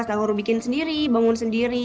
sahur bikin sendiri bangun sendiri